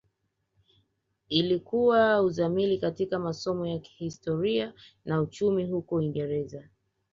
Ilikuwa uzamili katika masomo ya Historia na Uchumi huko Uingereza